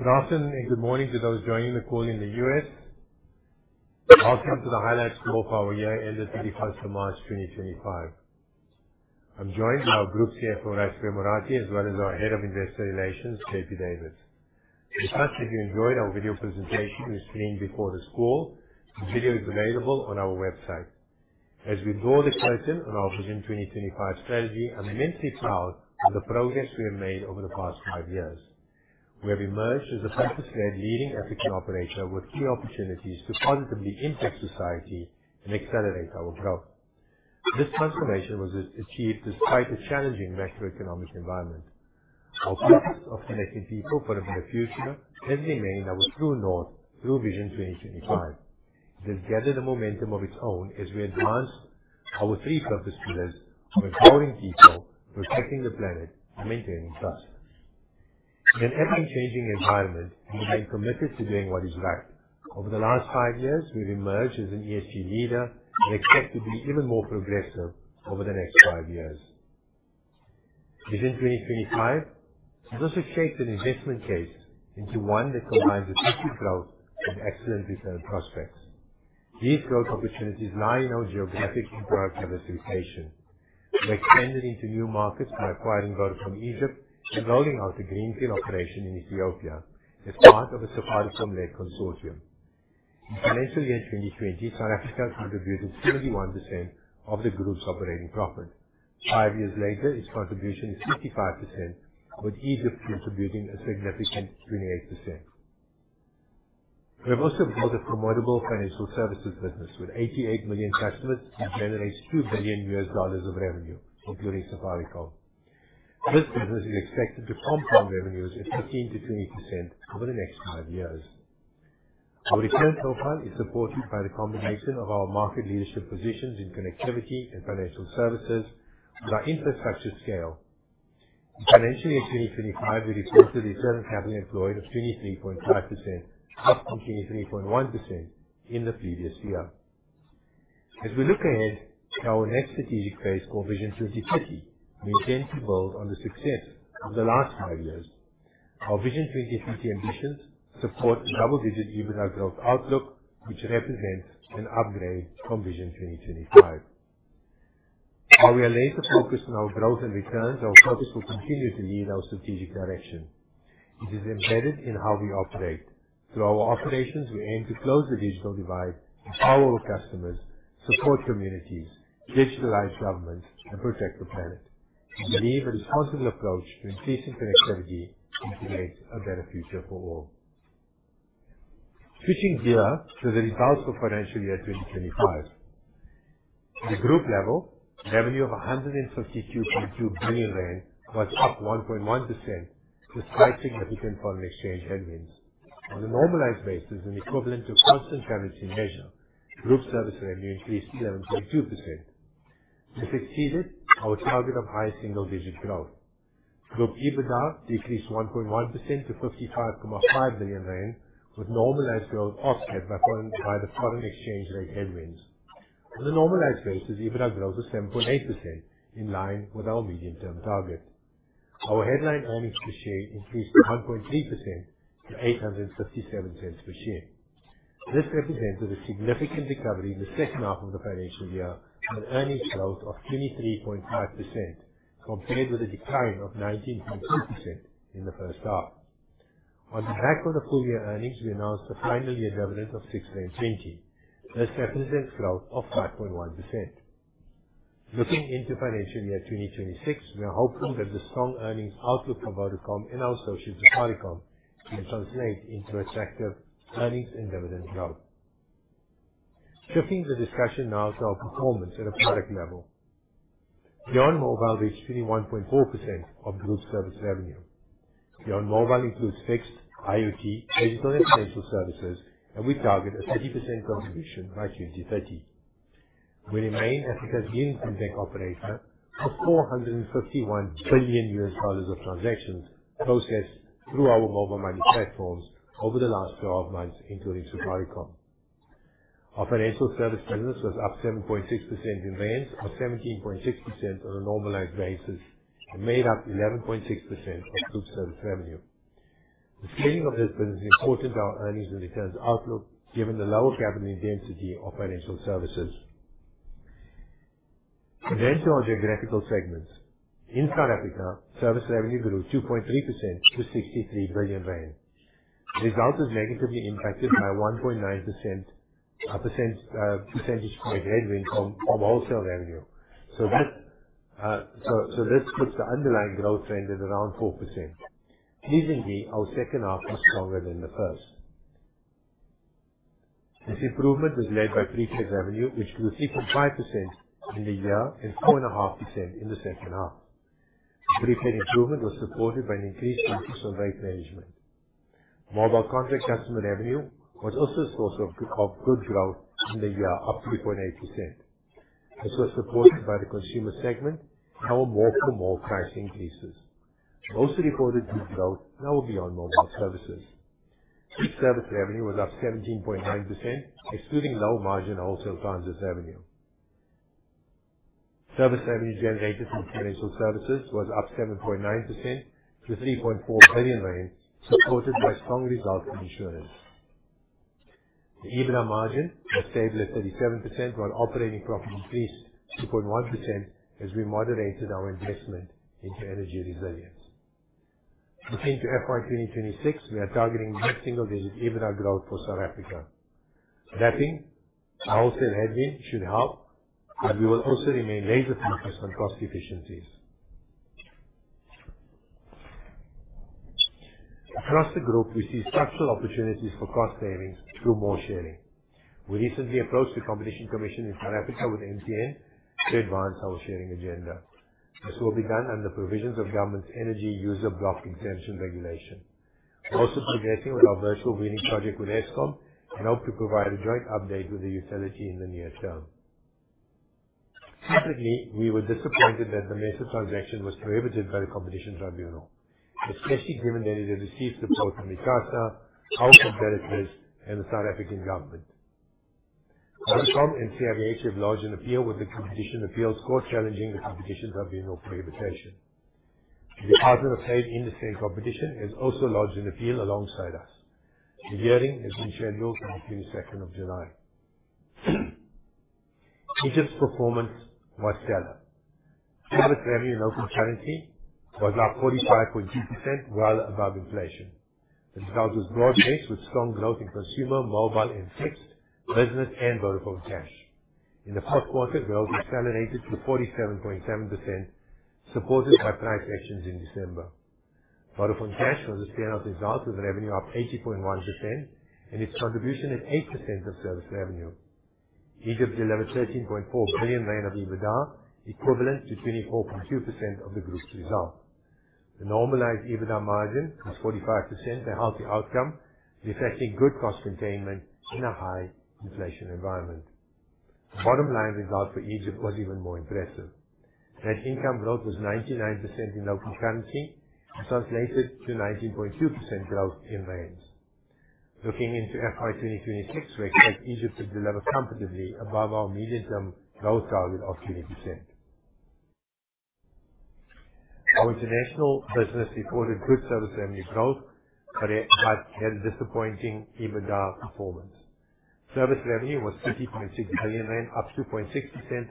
Hi. Good afternoon and good morning to those joining the call in the U.S. Welcome to the Highlights Call of our Year Ended 31st March 2025. I'm joined by our Group CFO, Raisibe Morathi, as well as our Head of Investor Relations, J.P. Davids. We hope that you enjoyed our video presentation you've seen before this call. The video is available on our website. As we draw the curtain on our Vision 2025 strategy, I'm immensely proud of the progress we have made over the past five years. We have emerged as a purpose-led leading African operator with key opportunities to positively impact society and accelerate our growth. This transformation was achieved despite a challenging macroeconomic environment. Our purpose of connecting people for a better future has remained our true north through Vision 2025. It has gathered a momentum of its own as we advance our three purpose pillars of empowering people, protecting the planet, and maintaining trust. In an ever-changing environment, we remain committed to doing what is right. Over the last five years, we've emerged as an ESG leader and expect to be even more progressive over the next five years. Vision 2025 has also shaped an investment case into one that combines effective growth with excellent return prospects. These growth opportunities lie in our geographic and product diversification. We've expanded into new markets by acquiring Vodacom Egypt and rolling out a greenfield operation in Ethiopia as part of a Safaricom-led consortium. In financial year 2020, South Africa contributed 71% of the group's operating profit. Five years later, its contribution is 55%, with Egypt contributing a significant 28%. We have also built a promotable financial services business with 88 million customers and generates $2 billion of revenue, including Safaricom. This business is expected to compound revenues at 15%-20% over the next five years. Our return profile is supported by the combination of our market leadership positions in connectivity and financial services with our infrastructure scale. In financial year 2025, we reported a return on capital employed of 23.5%, up from 23.1% in the previous year. As we look ahead to our next strategic phase called Vision 2030, we intend to build on the success of the last five years. Our Vision 2030 ambitions support a double-digit EBITDA growth outlook, which represents an upgrade from Vision 2025. While we are laser-focused on our growth and returns, our purpose will continue to lead our strategic direction. It is embedded in how we operate. Through our operations, we aim to close the digital divide, empower our customers, support communities, digitalize governments, and protect the planet. We believe a responsible approach to increasing connectivity integrates a better future for all. Switching gears to the results for financial year 2025, at the group level, revenue of 152.2 billion rand was up 1.1%, despite significant foreign exchange headwinds. On a normalized basis, an equivalent to a constant currency measure, group service revenue increased 11.2%. This exceeded our target of high single-digit growth. Group EBITDA decreased 1.1% to 55.5 billion rand, with normalized growth offset by the foreign exchange rate headwinds. On a normalized basis, EBITDA growth was 7.8%, in line with our medium-term target. Our headline earnings per share increased 1.3% to 857 per share. This represented a significant recovery in the second half of the financial year with earnings growth of 23.5% compared with a decline of 19.2% in the first half. On the back of the full year earnings, we announced a final year dividend of 6.20. This represents growth of 5.1%. Looking into financial year 2026, we are hopeful that the strong earnings outlook for Vodacom and our associate Safaricom can translate into attractive earnings and dividend growth. Shifting the discussion now to our performance at a product level. Beyond mobile reached 21.4% of group service revenue. Beyond mobile includes fixed, IoT, digital, and financial services, and we target a 30% contribution by 2030. We remain Africa's leading fintech operator, with $451 billion of transactions processed through our mobile money platforms over the last 12 months, including Safaricom. Our financial service business was up 7.6% in rand or 17.6% on a normalized basis and made up 11.6% of group service revenue. The scaling of this business is important to our earnings and returns outlook given the lower capital intensity of financial services. In terms of our geographical segments, in South Africa, service revenue grew 2.3% to 63 billion rand. The result was negatively impacted by a 1.9 percentage point headwind from wholesale revenue. This puts the underlying growth rendered around 4%. Pleasingly, our second half was stronger than the first. This improvement was led by prepaid revenue, which grew 6.5% in the year and 4.5% in the second half. The prepaid improvement was supported by an increased emphasis on rate management. Mobile contract customer revenue was also a source of good growth in the year, up 3.8%. This was supported by the consumer segment and our more-for-more price increases. Most reported good growth now will be on mobile services. Group service revenue was up 17.9%, excluding low-margin wholesale transit revenue. Service revenue generated from financial services was up 7.9% to 3.4 billion rand, supported by strong results in insurance. The EBITDA margin was stable at 37% while operating profit increased 2.1% as we moderated our investment into energy resilience. Looking to FY 2026, we are targeting net single-digit EBITDA growth for South Africa. Adding, our wholesale headwind should help, but we will also remain laser-focused on cost efficiencies. Across the group, we see structural opportunities for cost savings through more sharing. We recently approached the Competition Commission in South Africa with MTN to advance our sharing agenda. This will be done under provisions of government's energy user block exemption regulation. We're also progressing with our virtual wheeling project with Eskom and hope to provide a joint update with the utility in the near term. Secretly, we were disappointed that the major transaction was prohibited by the Competition Tribunal, especially given that it had received support from ICASA, our competitors, and the South African government. Vodacom and CIVH have lodged an appeal with the Competition Appeals Court, challenging the Competition Tribunal prohibition. The Department of Trade, Industry, and Competition has also lodged an appeal alongside us. The hearing has been scheduled for the 22nd of July. Egypt's performance was stellar. Service revenue in local currency was up 45.2%, well above inflation. The result was broad-based with strong growth in consumer, mobile, and fixed business, and Vodafone Cash. In the fourth quarter, growth accelerated to 47.7%, supported by price actions in December. Vodafone Cash was a standout result with revenue up 80.1% and its contribution at 8% of service revenue. Egypt delivered 13.4 billion rand of EBITDA, equivalent to 24.2% of the group's result. The normalized EBITDA margin was 45%, a healthy outcome reflecting good cost containment in a high-inflation environment. The bottom-line result for Egypt was even more impressive. Net income growth was 99% in open currency and translated to 19.2% growth in rand. Looking into fiscal year 2026, we expect Egypt to deliver comfortably above our medium-term growth target of 20%. Our international business reported good service revenue growth but had a disappointing EBITDA performance. Service revenue was 50.6 billion rand, up 2.6%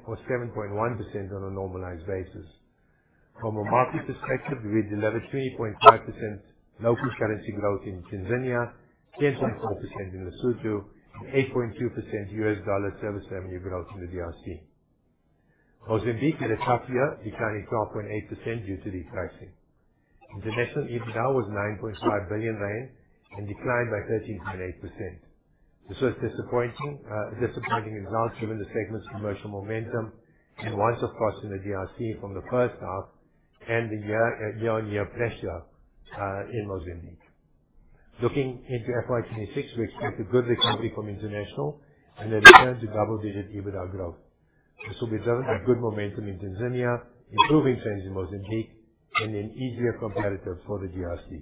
or 7.1% on a normalized basis. From a market perspective, we delivered 20.5% local currency growth in Tanzania, 10.4% in Lesotho, and 8.2% U.S. dollar service revenue growth in the DRC. Mozambique had a tough year, declining 12.8% due to defracting. International EBITDA was 9.5 billion rand and declined by 13.8%. This was a disappointing result given the segment's commercial momentum and once-off cost in the DRC from the first half and the year-on-year pressure in Mozambique. Looking into financial year 2026, we expect a good recovery from international and a return to double-digit EBITDA growth. This will be driven by good momentum in Tanzania, improving trends in Mozambique, and an easier competitive for the DRC.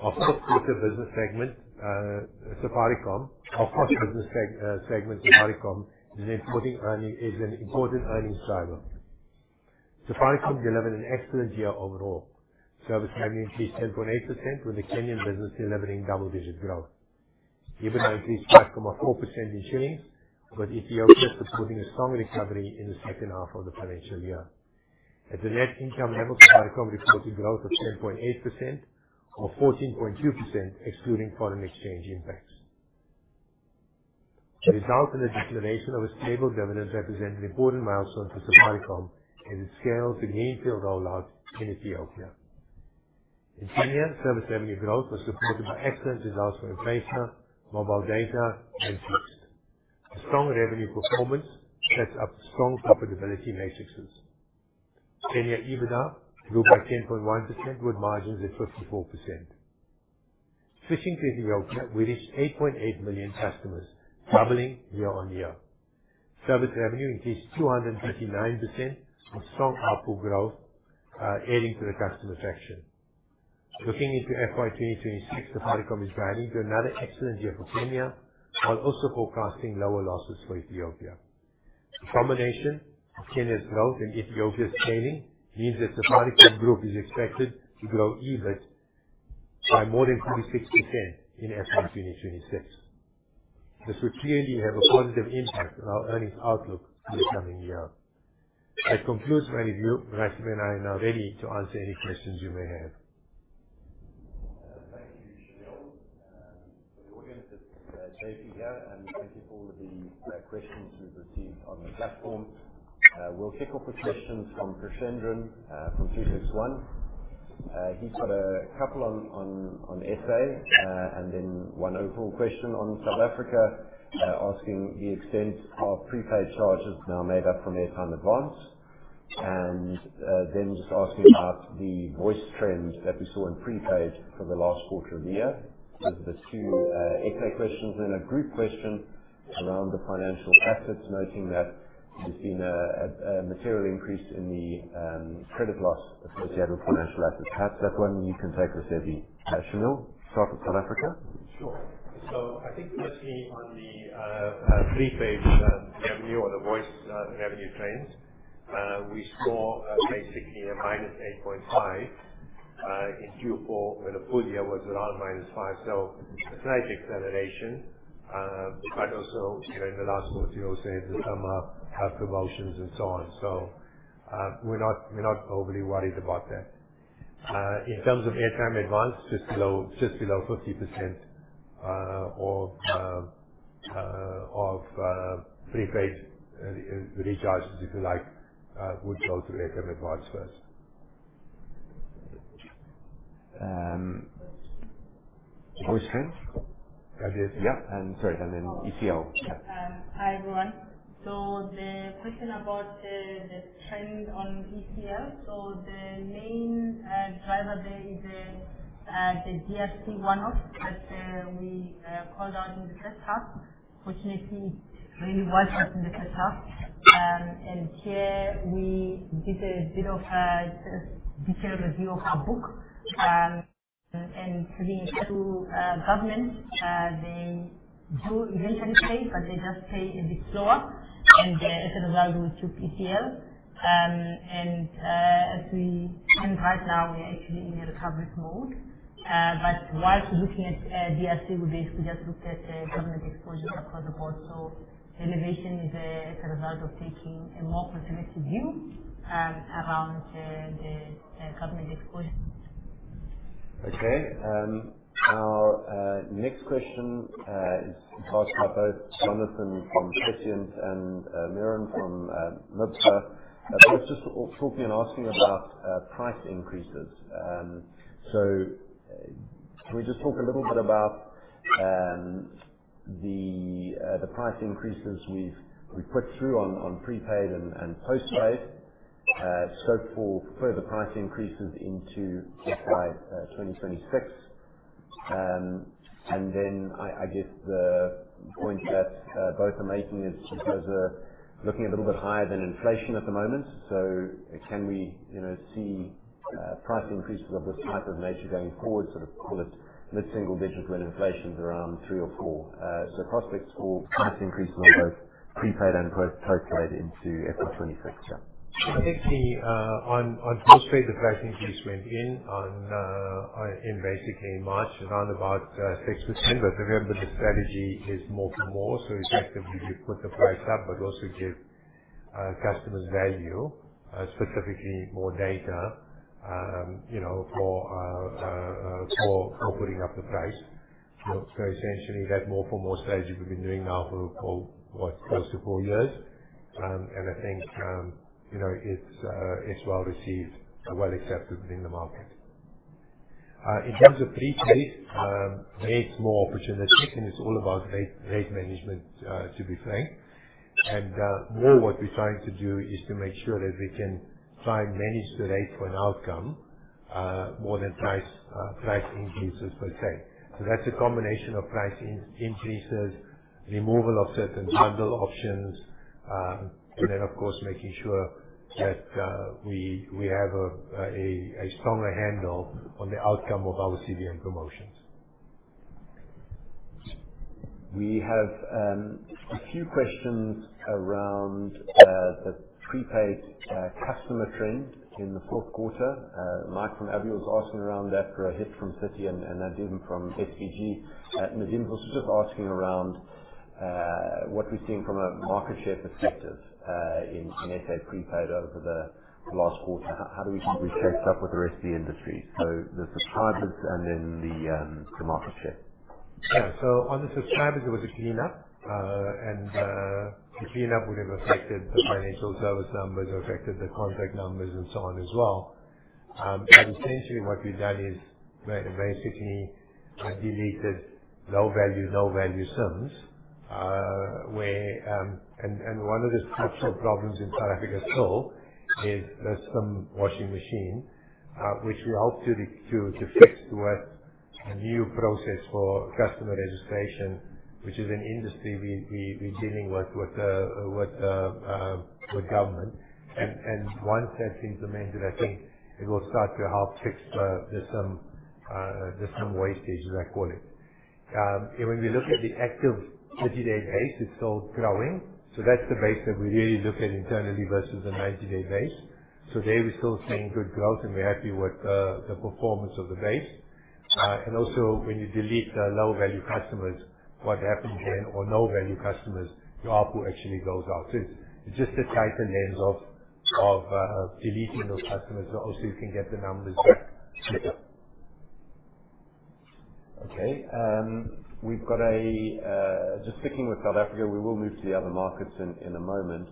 Our fourth-quarter business segment, Safaricom, is an important earnings driver. Safaricom delivered an excellent year overall. Service revenue increased 10.8%, with the Kenyan business delivering double-digit growth. EBITDA increased 5.4% in shillings, with Ethiopia supporting a strong recovery in the second half of the financial year. At the net income level, Safaricom reported growth of 10.8% or 14.2%, excluding foreign exchange impacts. The result and the declaration of a stable dividend represent an important milestone for Safaricom as it scales the greenfield rollout in Ethiopia. In Kenya, service revenue growth was supported by excellent results for emplacement, mobile data, and fixed. A strong revenue performance sets up strong profitability matrices. Kenya EBITDA grew by 10.1% with margins at 54%. Switching to Ethiopia, we reached 8.8 million customers, doubling year-on-year. Service revenue increased 239% with strong output growth, adding to the customer traction. Looking into FY 2026, Safaricom is branding to another excellent year for Kenya while also forecasting lower losses for Ethiopia. The combination of Kenya's growth and Ethiopia's scaling means that Safaricom Group is expected to grow EBIT by more than 46% in FY 2026. This will clearly have a positive impact on our earnings outlook in the coming year. That concludes my review. Raisibe and I are now ready to answer any questions you may have. Thank you, Shameel. The audience is safely here, and thank you for the questions we have received on the platform. We will kick off with questions from Krishendran from 361. He has got a couple on SA and then one overall question on South Africa, asking the extent of prepaid charges now made up from Airtime Advance, and then just asking about the voice trend that we saw in prepaid for the last quarter of the year. Those are the two SA questions. Then a group question around the financial assets, noting that we have seen a material increase in the credit loss associated with financial assets. Perhaps that one you can take with Raisibe. Shameel, start with South Africa. Sure. I think firstly on the prepaid revenue or the voice revenue trends, we saw basically a -8.5% in Q4, when the full year was around -5%. It is a nice acceleration, but also in the last quarter, you also had the summer promotions and so on. We are not overly worried about that. In terms of Airtime Advance, just below 50% of prepaid recharges, if you like, would go through Airtime Advance first. Voice trend? That is, yeah. Sorry, and then ETL. Hi, everyone. The question about the trend on ETL, the main driver there is the DRC one-off that we called out in the first half. Fortunately, it really was just in the first half. Here we did a bit of a detailed review of our book. To the government, they do eventually pay, but they just pay a bit slower, and as a result, we took ETL. As we can right now, we are actually in a recovery mode. While looking at DRC, we basically just looked at government exposures across the board. Elevation is as a result of taking a more conservative view around the government exposure. Our next question is asked by both Jonathan from Prescient and Myuran from MIBFA. First, just to talk to you and ask you about price increases. Can we just talk a little bit about the price increases we've put through on prepaid and postpaid, scope for further price increases into FY 2026? I guess the point that both are making is because we're looking a little bit higher than inflation at the moment. Can we see price increases of this type of nature going forward, sort of call it mid-single digit when inflation's around 3% or 4%? Prospects for price increases on both prepaid and postpaid into FY 2026, yeah. Basically, on postpaid, the price increase went in on basically March, around about 6%, but remember the strategy is more for more. Effectively, we put the price up but also give customers value, specifically more data for putting up the price. Essentially, that more for more strategy we've been doing now for what, close to four years. I think it's well-received, well-accepted within the market. In terms of prepaid, rate's more opportunistic, and it's all about rate management, to be frank. What we're trying to do is to make sure that we can try and manage the rate for an outcome more than price increases per se. That is a combination of price increases, removal of certain bundle options, and then, of course, making sure that we have a stronger handle on the outcome of our CBM promotions. We have a few questions around the prepaid customer trend in the fourth quarter. Mike from [Absa] was asking around that, Rohit from Citi, and Nadim from SBG. Nadim was just asking around what we're seeing from a market share perspective in SA prepaid over the last quarter. How do we think we've kept up with the rest of the industry? The subscribers and then the market share. Yeah. On the subscribers, it was a cleanup. The cleanup would have affected the financial service numbers, affected the contract numbers, and so on as well. Essentially, what we have done is basically deleted low-value, no-value sums. One of the structural problems in South Africa still is there is some washing machine, which we hope to fix with a new process for customer registration, which is an industry we are dealing with with government. Once that is implemented, I think it will start to help fix the sum wastage, as I call it. When we look at the active 30-day base, it is still growing. That is the base that we really look at internally versus the 90-day base. There we are still seeing good growth, and we are happy with the performance of the base. Also, when you delete the low-value customers, what happens then, or no-value customers, your output actually goes up. It's just a tighter lens of deleting those customers so also you can get the numbers back. Okay. Just sticking with South Africa, we will move to the other markets in a moment.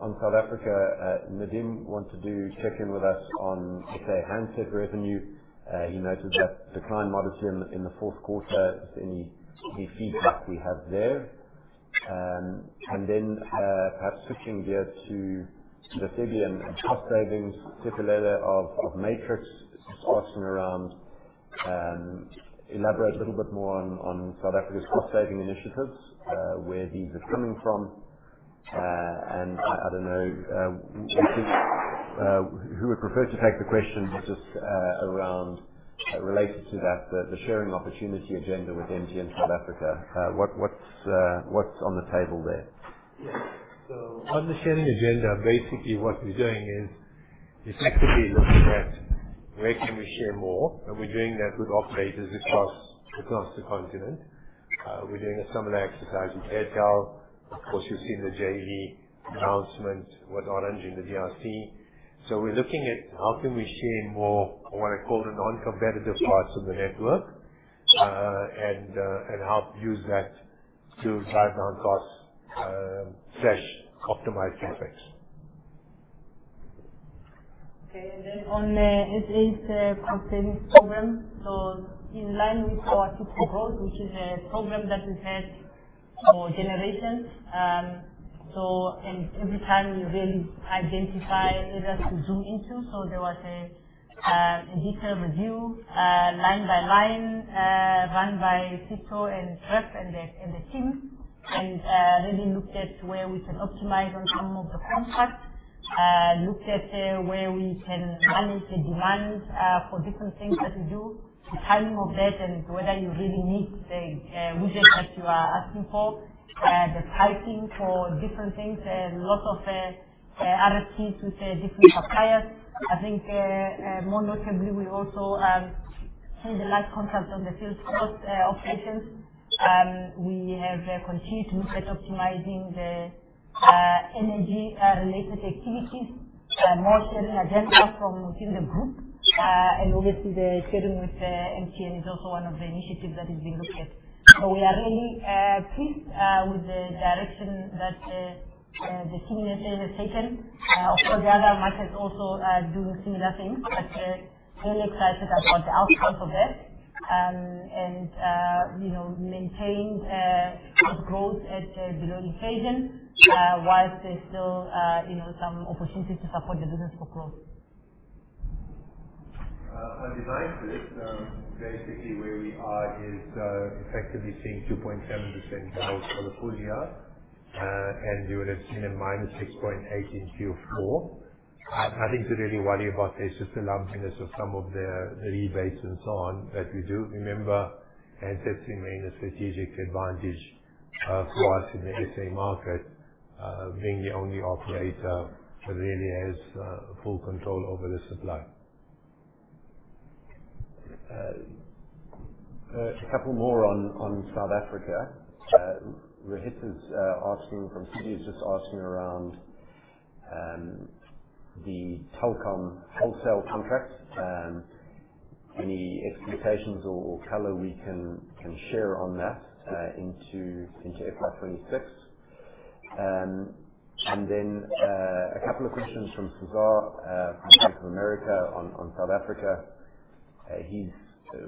On South Africa, Nadim wanted to check in with us on SA handset revenue. He noted that declined modestly in the fourth quarter. Is there any feedback we have there? Perhaps switching gears to the CBM cost savings, Sitholela of Matrix was asking around. Elaborate a little bit more on South Africa's cost saving initiatives, where these are coming from. I don't know who would prefer to take the questions, just around related to that, the sharing opportunity agenda with MTN South Africa. What's on the table there? Yeah. On the sharing agenda, basically what we're doing is effectively looking at where can we share more. We're doing that with operators across the continent. We're doing a similar exercise with Airtel. Of course, you've seen the JV announcement with Orange in the DRC. We're looking at how we can share more on what I call the non-competitive parts of the network and help use that to drive down costs, flesh, optimize profits. Okay. On the South Africa cost savings program, in line with our SITO growth, which is a program that we've had for generations. Every time we really identify areas to zoom into. There was a detailed review line by line run by SITO and Trust and the team. We really looked at where we can optimize on some of the contracts, looked at where we can manage the demand for different things that we do, the timing of that, and whether you really meet the widget that you are asking for, the pricing for different things, and lots of RFPs with different suppliers. I think more notably, we also had the last consult on the field cost operations. We have continued to look at optimizing the energy-related activities, more sharing agenda from within the group. Obviously, the sharing with MTN is also one of the initiatives that is being looked at. We are really pleased with the direction that the team has taken. Of course, the other markets also are doing similar things, but really excited about the outcomes of that and maintained cost growth at below inflation whilst there's still some opportunity to support the business for growth. I'd like to basically where we are is effectively seeing 2.7% growth for the full year and we would have seen a -6.8% in Q4. I think the really worry about is just the lumpiness of some of the rebates and so on that we do. Remember, handsets remain a strategic advantage for us in the SA market, being the only operator that really has full control over the supply. A couple more on South Africa. Rohit is asking from Citi is just asking around the telecom wholesale contracts. Any expectations or color we can share on that into FY 2026? A couple of questions from Cesar from Bank of America on South Africa. He's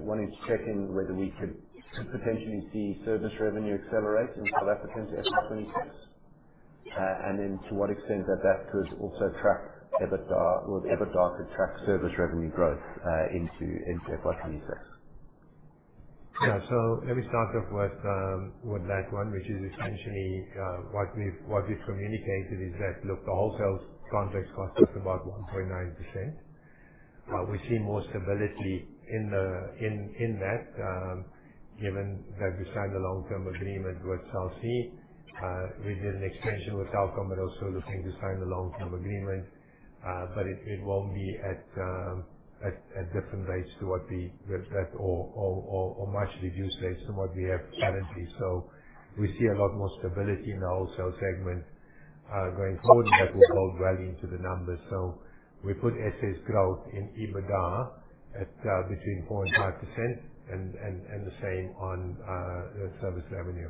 wanting to check in whether we could potentially see service revenue accelerate in South Africa into FY 2026, and then to what extent that could also track EBITDA or EBITDA could track service revenue growth into FY 2026. Yeah. Let me start off with that one, which is essentially what we've communicated is that, look, the wholesale contract cost is about 1.9%. We see more stability in that given that we signed a long-term agreement with South Sea. We did an extension with Telkom, but also looking to sign a long-term agreement, but it will not be at different rates to what we or much reduced rates than what we have currently. We see a lot more stability in the wholesale segment going forward, and that will hold well into the numbers. We put SA's growth in EBITDA at between 4% and 5% and the same on service revenue.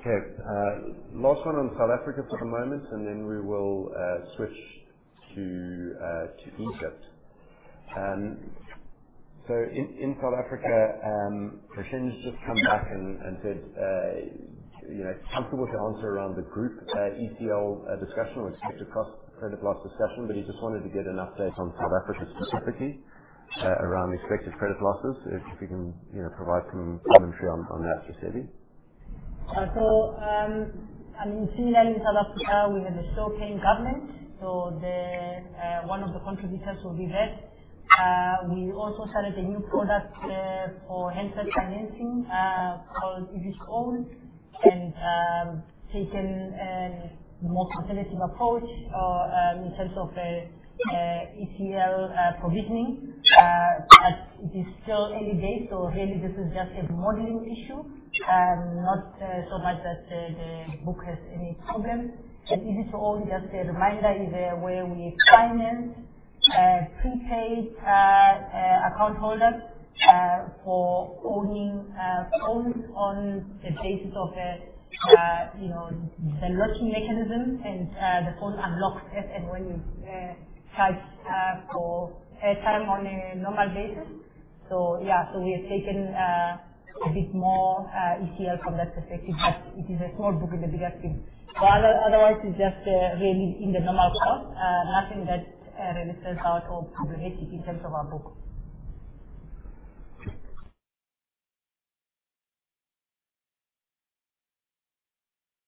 Okay. Last one on South Africa for the moment, and then we will switch to Egypt. In South Africa, Prescient just came back and said he's comfortable to answer around the group ETL discussion or expected credit loss discussion, but he just wanted to get an update on South Africa specifically around expected credit losses, if he can provide some commentary on that for Raisibe. I mean, finally, in South Africa, we have a slow-paying government, so one of the contributors will be there. We also started a new product for handset financing called EVScore, and taken a more conservative approach in terms of ETL provisioning. It is still early days, so really this is just a modeling issue, not so much that the book has any problem. EVScore, just a reminder, is where we finance prepaid account holders for owning phones on the basis of the locking mechanism, and the phone unlocks as and when you charge for airtime on a normal basis. We have taken a bit more Expected Credit Loss from that perspective, but it is a small book in the bigger scheme. Otherwise, it is just really in the normal cost, nothing that really stands out or is problematic in terms of our book.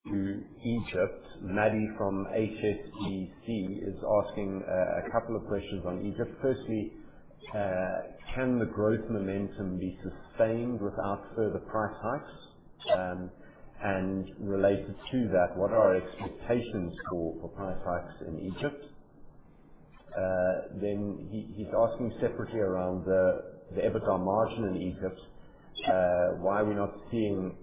To Egypt, Maddie from HSBC is asking a couple of questions on Egypt. Firstly, can the growth momentum be sustained without further price hikes? Related to that, what are our expectations for price hikes in Egypt? He is asking separately around the EBITDA margin in Egypt, why are we not seeing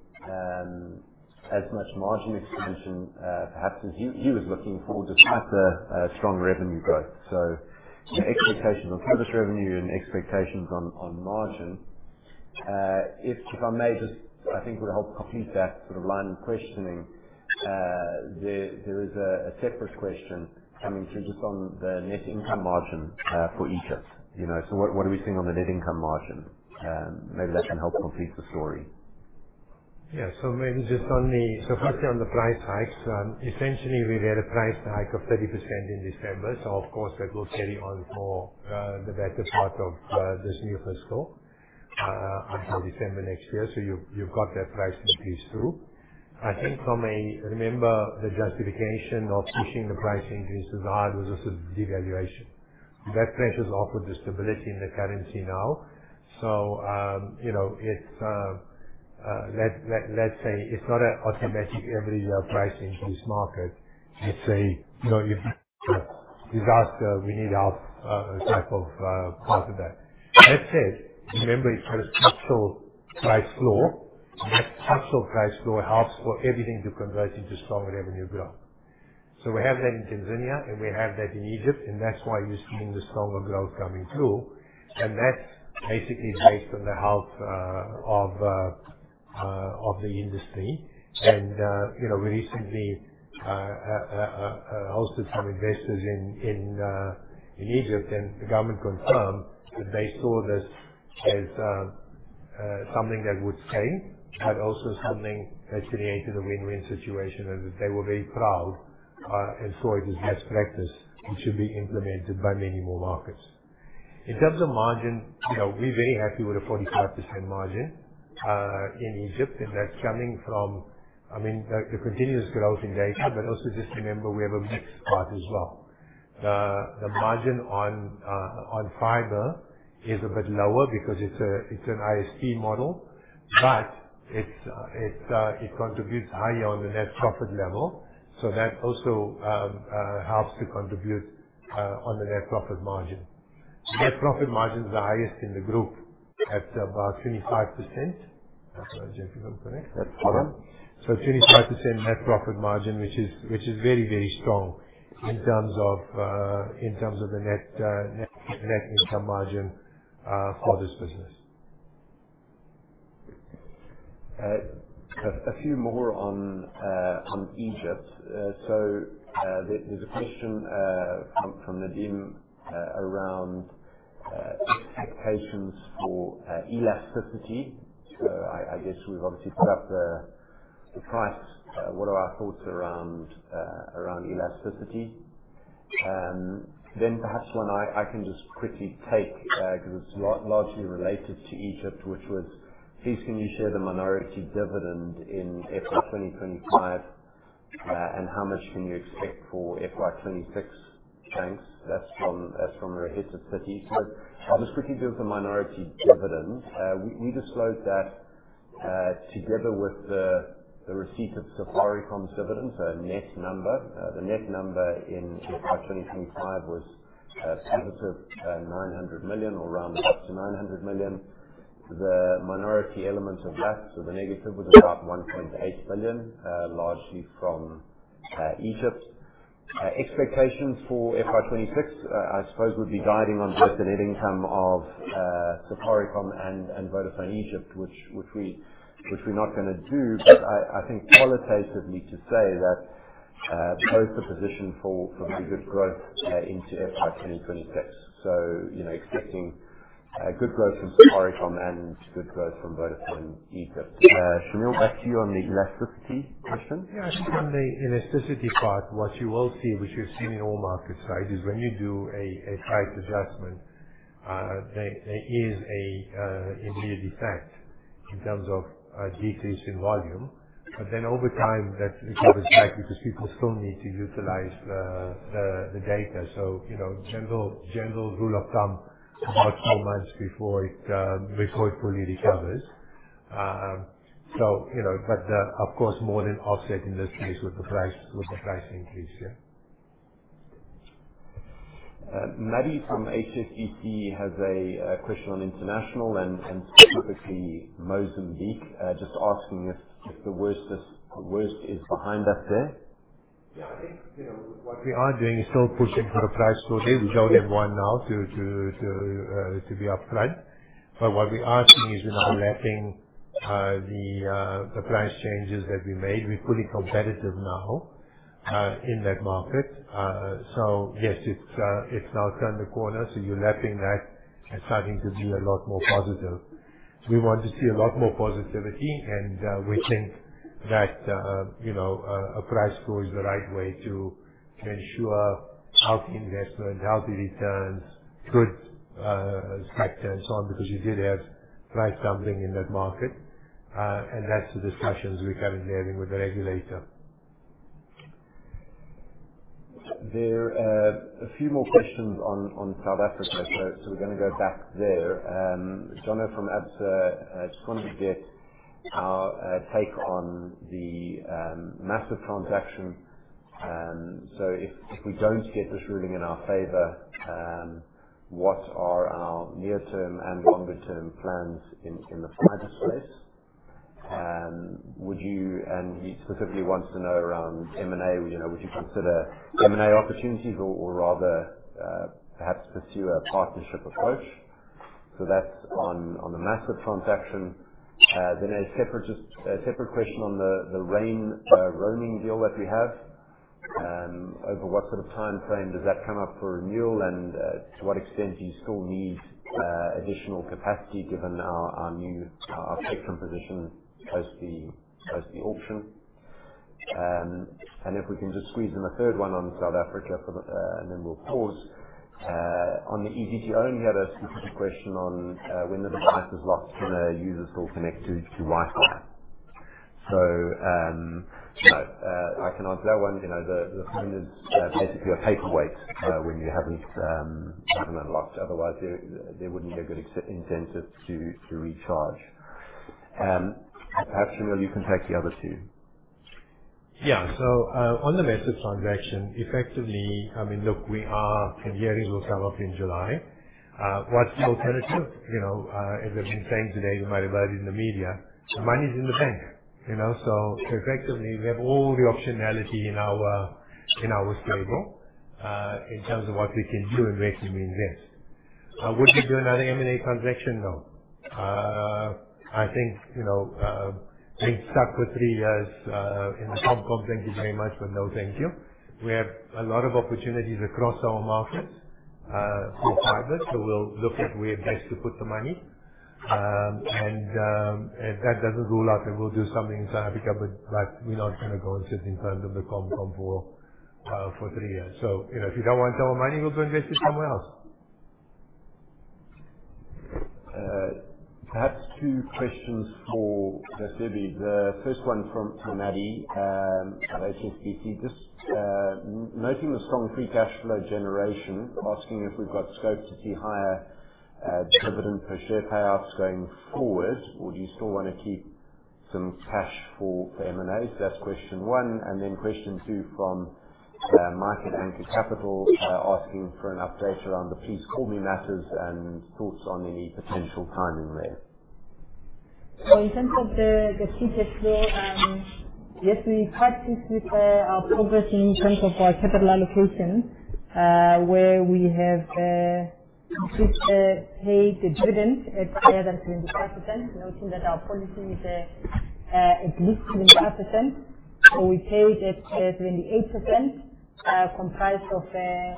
as much margin expansion, perhaps as he was looking for, despite the strong revenue growth? Expectations on service revenue and expectations on margin. If I may just, I think would help complete that sort of line of questioning, there is a separate question coming through just on the net income margin for Egypt. What are we seeing on the net income margin? Maybe that can help complete the story. Yeah. Maybe just on the, so firstly, on the price hikes, essentially we've had a price hike of 30% in December. Of course, that will carry on for the better part of this new fiscal until December next year. You've got that price increase through. I think from a, remember, the justification of pushing the price increase to the high was also devaluation. That pressure is off with the stability in the currency now. Let's say it's not an automatic every year price increase market. Let's say if disaster, we need help type of part of that. That said, remember, it's got a structural price floor. That structural price floor helps for everything to convert into strong revenue growth. We have that in Tanzania, and we have that in Egypt, and that's why you're seeing the stronger growth coming through. That's basically based on the health of the industry. We recently hosted some investors in Egypt, and the government confirmed that they saw this as something that would stay, but also something that created a win-win situation as they were very proud and saw it as best practice, which should be implemented by many more markets. In terms of margin, we're very happy with a 45% margin in Egypt, and that's coming from, I mean, the continuous growth in data, but also just remember we have a mixed part as well. The margin on fiber is a bit lower because it's an ISP model, but it contributes higher on the net profit level. That also helps to contribute on the net profit margin. Net profit margin is the highest in the group at about 25%. I'm sorry, JP, if I'm correct. That's fine. So 25% net profit margin, which is very, very strong in terms of the net income margin for this business. A few more on Egypt. There's a question from Nadim around expectations for elasticity. I guess we've obviously put up the price. What are our thoughts around elasticity? Perhaps one I can just quickly take because it's largely related to Egypt, which was, please can you share the minority dividend in FY 2025, and how much can you expect for FY 2026? Thanks. That's from Raisibe Setiusew. I'll just quickly do the minority dividend. We disclosed that together with the receipt of Safaricom's dividend, so net number, the net number in FY 2025 was positive 900 million or rounded up to 900 million. The minority element of that, so the negative, was about 1.8 billion, largely from Egypt. Expectations for FY 2026, I suppose, would be guiding on both the net income of Safaricom and Vodafone Egypt, which we're not going to do, but I think qualitatively to say that posed the position for very good growth into FY 2026. Expecting good growth from Safaricom and good growth from Vodacom in Egypt. Shameel, back to you on the elasticity question. Yeah. I think on the elasticity part, what you will see, which you've seen in all market sizes, when you do a price adjustment, there is an immediate effect in terms of decrease in volume. But then over time, that recovers back because people still need to utilize the data. A general rule of thumb, about four months before it fully recovers. Of course, more than offset in this case with the price increase. Yeah. Maddie from HSBC has a question on international and specifically Mozambique, just asking if the worst is behind us there. Yeah. I think what we are doing is still pushing for the price growth. We are going in one now to be upfront. What we are seeing is we are now lapping the price changes that we made. We are fully competitive now in that market. Yes, it has now turned the corner, so you are lapping that and starting to be a lot more positive. We want to see a lot more positivity, and we think that a price growth is the right way to ensure healthy investment, healthy returns, good sector, and so on, because you did have price dumping in that market. That is the discussions we are currently having with the regulator. There are a few more questions on South Africa, so we are going to go back there. John from Absa, I just wanted to get our take on the massive transaction. If we do not get this ruling in our favor, what are our near-term and longer-term plans in the finance space? He specifically wants to know around M&A, would you consider M&A opportunities or rather perhaps pursue a partnership approach? That is on the massive transaction. A separate question on the rain roaming deal that we have. Over what sort of timeframe does that come up for renewal, and to what extent do you still need additional capacity given our spectrum position post the auction? If we can just squeeze in a third one on South Africa, and then we'll pause. On the EVScore, we had a specific question on when the device is locked and the user still connects to Wi-Fi. I can answer that one. The phone is basically a paperweight when you haven't locked it. Otherwise, there wouldn't be a good incentive to recharge. Perhaps, Shameel, you can take the other two. Yeah. On the massive transaction, effectively, I mean, look, we are and hearing will come up in July. What's the alternative? As I've been saying today, you might have heard it in the media, the money's in the bank. Effectively, we have all the optionality in our stable in terms of what we can do and where we can invest. Would we do another M&A transaction? No. I think being stuck for three years in the comp comp, thank you very much, but no thank you. We have a lot of opportunities across our markets for fiber, so we'll look at where best to put the money. That does not rule out that we'll do something in South Africa, but we're not going to go and sit in front of the comp comp for three years. If you do not want our money, we'll go invest it somewhere else. Perhaps two questions for Raisibe. The first one from Maddie at HSBC. Just noting the strong free cash flow generation, asking if we've got scope to see higher dividend per share payouts going forward, or do you still want to keep some cash for M&A? That is question one. Question two from Market Anchor Capital asking for an update around the Please Call Me matters and thoughts on any potential timing there. In terms of the free cash flow, yes, we've had this with our progress in terms of our capital allocation, where we have paid the dividend at higher than 75%, noting that our policy is at least 75%. We paid at 78%, comprised of an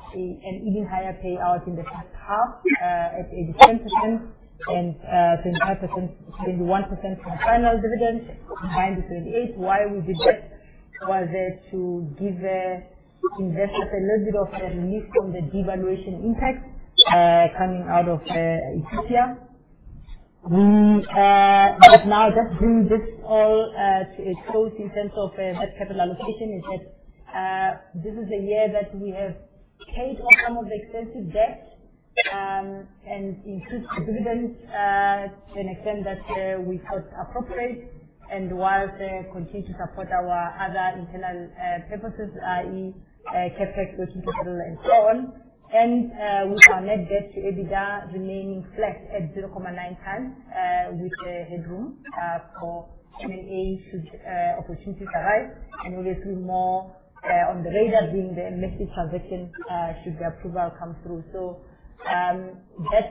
even higher payout in the past half at 87% and 75%, 71% from final dividend, combined with 28. Why we did that was to give investors a little bit of relief from the devaluation impact coming out of Ethiopia. We have now just bring this all to a close in terms of that capital allocation. In fact, this is a year that we have paid off some of the expensive debt and increased the dividends to an extent that we thought appropriate while continuing to support our other internal purposes, i.e., CapEx, working capital, and so on. With our net debt to EBITDA remaining flat at 0.9x, with headroom for M&A opportunities to arise. Obviously, more on the radar being the massive transaction should the approval come through. That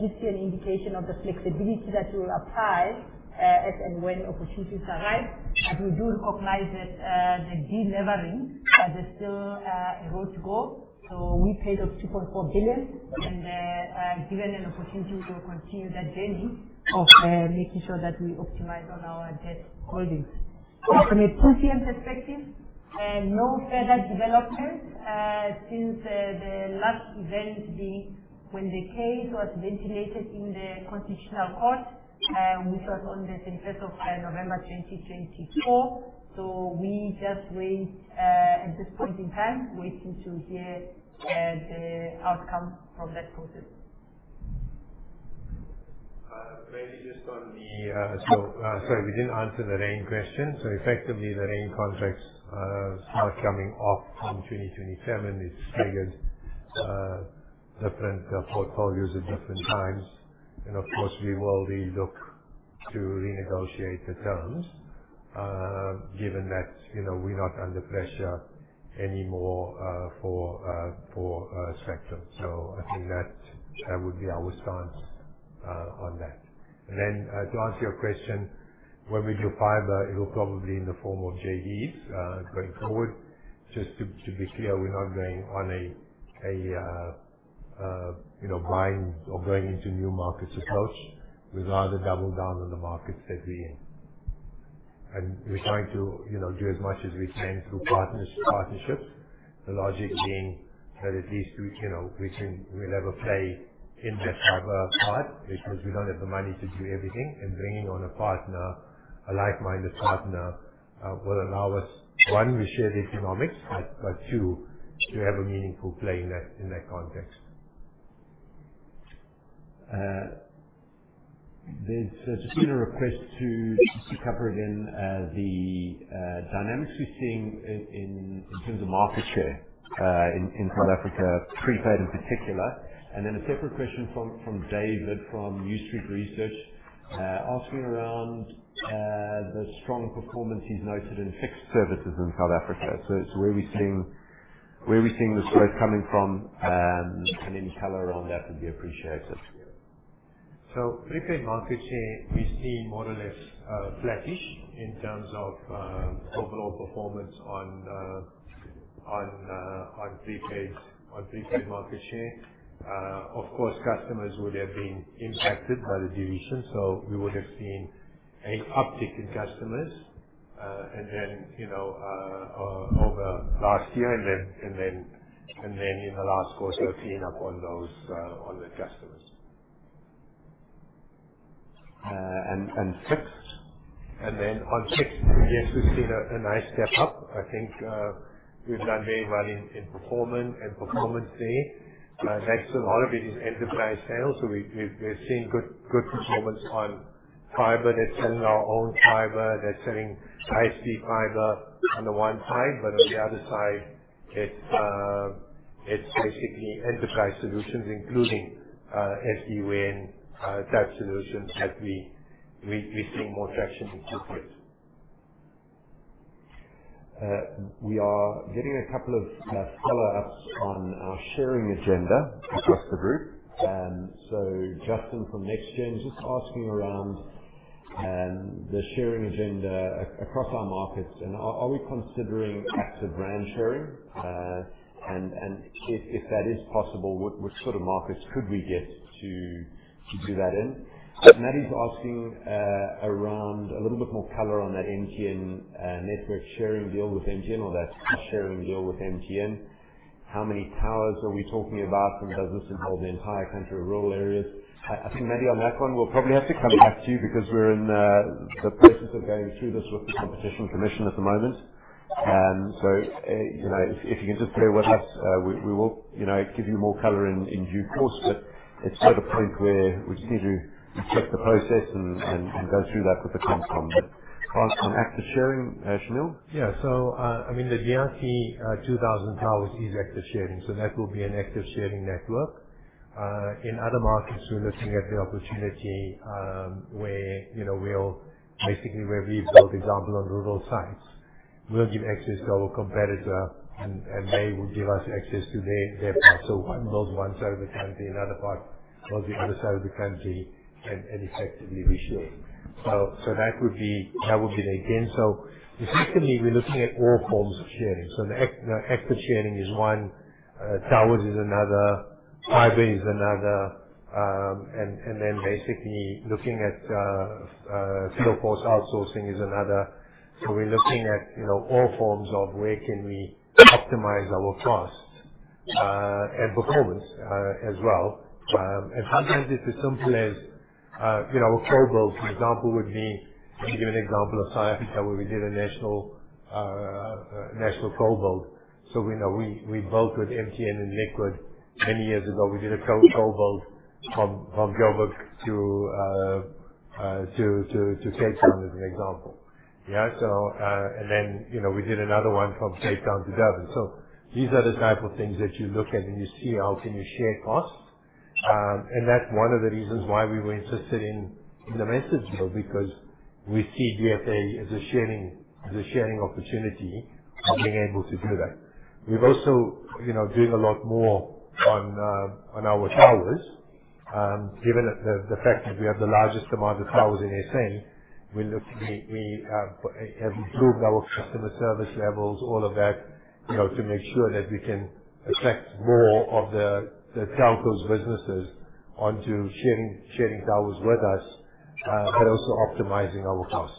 gives you an indication of the flexibility that will apply as and when opportunities arise. We do recognize that the delevering, there's still a road to go. We paid off 2.4 billion. Given an opportunity, we will continue that journey of making sure that we optimize on our debt holdings. From a two-year perspective, no further developments since the last event being when the case was ventilated in the Constitutional Court, which was on the 21st of November 2024. We just wait at this point in time, waiting to hear the outcome from that process. Maybe just on the, sorry, we did not answer the rain question. Effectively, the rain contracts are coming off from 2027. It is triggered in different portfolios at different times. Of course, we will look to renegotiate the terms given that we are not under pressure anymore for spectrum. I think that would be our stance on that. To answer your question, when we do fiber, it will probably be in the form of JVs going forward. Just to be clear, we are not going on a buying or going into new markets approach. We'd rather double down on the markets that we're in. We're trying to do as much as we can through partnerships, the logic being that at least we'll have a play in that fiber part because we don't have the money to do everything. Bringing on a partner, a like-minded partner, will allow us, one, we share the economics, but two, to have a meaningful play in that context. There has just been a request to cover again the dynamics we're seeing in terms of market share in South Africa, prepaid in particular. A separate question from David from New Street Research is asking around the strong performance he's noted in fixed services in South Africa. Where are we seeing the growth coming from? Any color around that would be appreciated. Prepaid market share, we're seeing more or less flattish in terms of overall performance on prepaid market share. Of course, customers would have been impacted by the division, so we would have seen an uptick in customers over last year, and then in the last quarter, clean up on those customers. And fixed? On fixed, yes, we've seen a nice step up. I think we've done very well in performance there. Next to a lot of it is enterprise sales. We're seeing good performance on fiber. They're selling our own fiber. They're selling high-speed fiber on the one side, but on the other side, it's basically enterprise solutions, including SD-WAN type solutions, that we're seeing more traction in two years. We are getting a couple of follow-ups on our sharing agenda across the group. Justin from NexGen, just asking around the sharing agenda across our markets. Are we considering active brand sharing? If that is possible, what sort of markets could we get to do that in? Maddie's asking around a little bit more color on that MTN network sharing deal with MTN or that sharing deal with MTN. How many towers are we talking about? Does this involve the entire country or rural areas? I think, Maddie, on that one, we'll probably have to come back to you because we're in the process of going through this with the Competition Commission at the moment. If you can just clear with us, we will give you more color in due course. It's sort of a point where we just need to check the process and go through that with the Competition Commission. On active sharing, Shameel? Yeah. I mean, the DRC 2,000 towers is active sharing. That will be an active sharing network. In other markets, we're looking at the opportunity where we'll basically rebuild, for example, on rural sites. We'll give access to our competitor, and they will give us access to their part. One side of the country, another part, the other side of the country, and effectively reshape. That would be the again. Effectively, we're looking at all forms of sharing. The active sharing is one. Towers is another. Fiber is another. Basically looking at field force outsourcing is another. We're looking at all forms of where can we optimize our cost and performance as well. Sometimes if it's as simple as a co-build, for example, I'll give an example of South Africa where we did a national co-build. We built with MTN and Liquid many years ago. We did a co-build from Johannesburg to Cape Town as an example. Yeah. Then we did another one from Cape Town to Durban. These are the type of things that you look at and you see how can you share costs. That is one of the reasons why we were interested in the massive deal because we see DFA as a sharing opportunity of being able to do that. We are also doing a lot more on our towers. Given the fact that we have the largest amount of towers in SA, we have improved our customer service levels, all of that, to make sure that we can attract more of the telcos businesses onto sharing towers with us, but also optimizing our costs.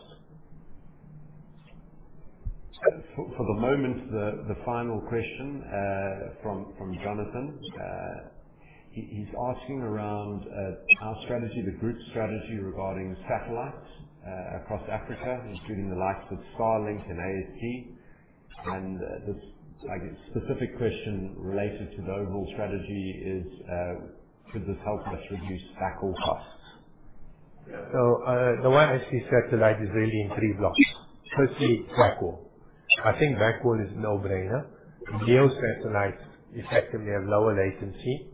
For the moment, the final question from Jonathan. He's asking around our strategy, the group strategy regarding satellites across Africa, including the likes of Starlink and AST. The specific question related to the overall strategy is, could this help us reduce backhaul costs? The way I see satellite is really in three blocks. Firstly, backhaul. I think backhaul is a no-brainer. LEO satellites effectively have lower latency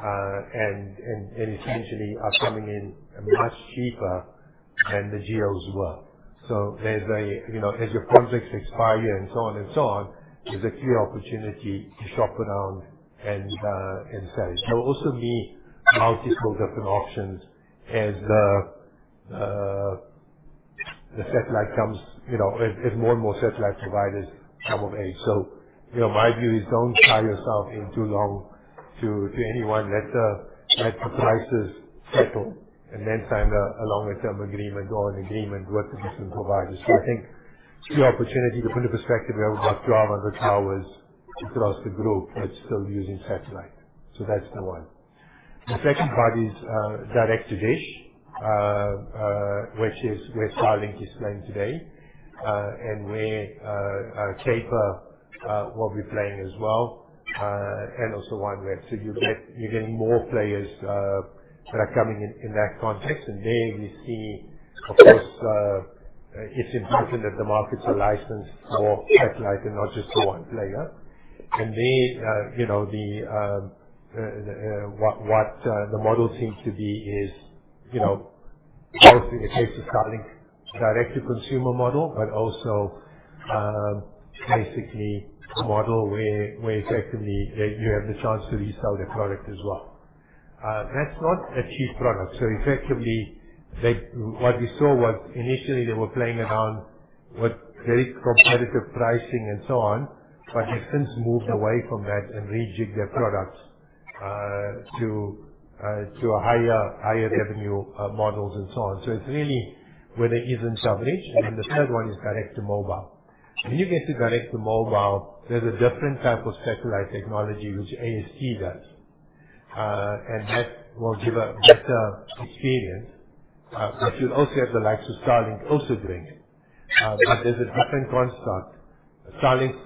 and essentially are coming in much cheaper than the geos were. As your projects expire and so on and so on, there's a clear opportunity to shop around and sell. There will also be multiple different options as the satellite comes, as more and more satellite providers come of age. My view is don't tie yourself in too long to anyone. Let the prices settle and then sign a longer-term agreement or an agreement with the different providers. I think it's a good opportunity to put in perspective where we've got 1,200 towers across the group that's still using satellite. That's the one. The second part is direct-to-dish, which is where Starlink is playing today and where CAPER will be playing as well and also Wide Web. You're getting more players that are coming in that context. There we see, of course, it's important that the markets are licensed for satellite and not just for one player. The model seems to be both in the case of Starlink, direct-to-consumer model, but also basically a model where effectively you have the chance to resell the product as well. That's not a cheap product. Effectively, what we saw was initially they were playing around with very competitive pricing and so on, but they've since moved away from that and rejigged their products to higher revenue models and so on. It is really where there isn't coverage. The third one is direct-to-mobile. When you get to direct-to-mobile, there's a different type of satellite technology which AST does. That will give a better experience. You'll also have the likes of Starlink also doing it. There is a different construct. Starlink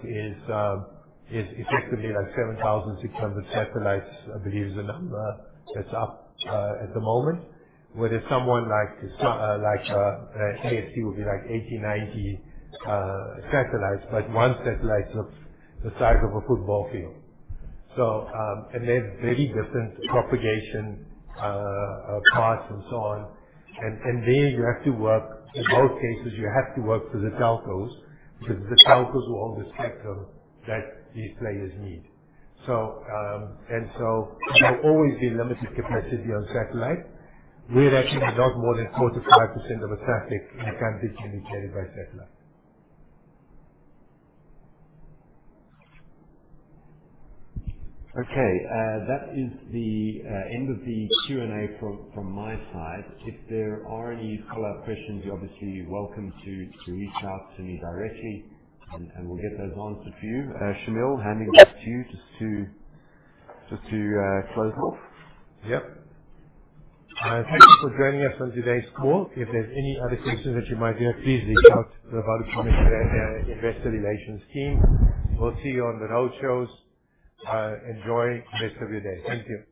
is effectively like 7,600 satellites, I believe is the number that's up at the moment, whereas someone like AST would be like 80-90 satellites, but one satellite looks the size of a football field. They have very different propagation paths and so on. There you have to work in both cases, you have to work for the telcos because the telcos will own the spectrum that these players need. There will always be limited capacity on satellite, where actually not more than 4%-5% of the traffic can be communicated by satellite. Okay. That is the end of the Q&A from my side. If there are any follow-up questions, you're obviously welcome to reach out to me directly, and we'll get those answered for you. Shameel, handing it back to you just to close off. Yep. Thank you for joining us on today's call. If there's any other questions that you might have, please reach out to the Vodacom Investor Relations team. We'll see you on the road shows. Enjoy the rest of your day. Thank you.